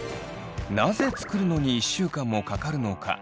なぜ作るのに１週間もかかるのか。